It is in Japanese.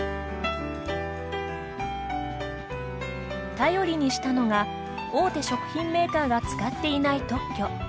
頼りにしたのが大手食品メーカーが使っていない特許。